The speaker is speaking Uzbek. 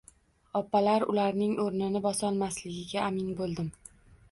Opalar ularning o`rnini bosolmasligiga amin bo`ldim